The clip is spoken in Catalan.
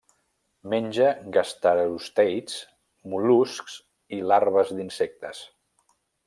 Menja gasterosteids, mol·luscs i larves d'insectes.